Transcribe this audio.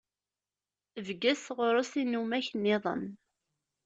Bges, ɣur-s inumak-nniḍen.